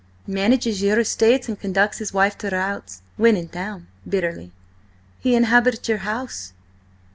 "Manages your estates and conducts his wife to routs. When in town," bitterly, "he inhabits your house."